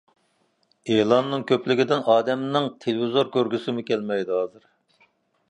ئېلاننىڭ كۆپلۈكىدىن ئادەمنىڭ تېلېۋىزور كۆرگۈسىمۇ كەلمەيدۇ ھازىر.